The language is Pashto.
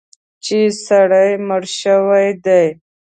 چې سړی مړ شوی دی.